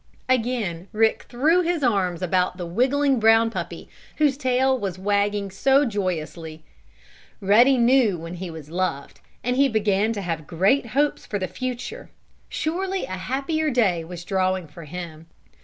Again Rick threw his arms about the wiggling, brown puppy whose tail was wagging so joyously. Ruddy knew when he was loved, and he began to have great hopes for the future. Surely a happier day was dawning for him.